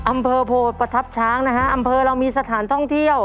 อำเภอโพประทับช้างนะฮะอำเภอเรามีสถานท่องเที่ยว